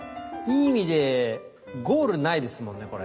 いい意味でゴールないですもんね